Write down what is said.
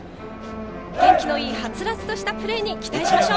元気のいい、はつらつとしたプレーに期待しましょう。